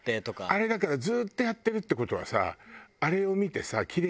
あれだからずっとやってるって事はさ。